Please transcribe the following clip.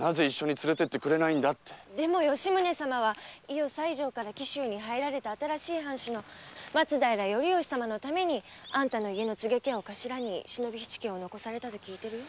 でも吉宗様は伊予西条から紀州に入られた新しい藩主の松平頼致様のためにあんたの家の柘植家を頭に忍び七家を残されたと聞いてるよ。